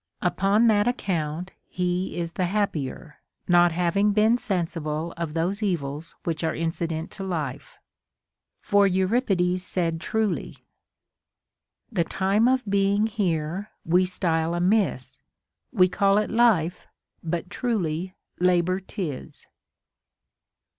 Upon that account he is the happier, not having been sensible of those evils which are incident to life. For Euripides said truly :— The tune of being here we style amiss ; We call it life, but truly labor 'tis.